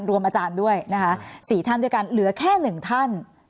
รวมอาจารย์ด้วยนะคะ๔ท่านด้วยกันเหลือแค่๑ท่าน